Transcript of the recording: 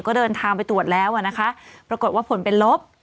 ก็เดินทางไปตรวจแล้วอ่ะนะคะปรากฏว่าผลเป็นลบ